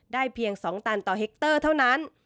เพียง๒ตันต่อเคคเตอร์เท่านั้น